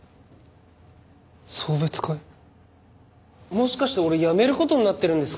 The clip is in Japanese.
もしかして俺辞める事になってるんですか？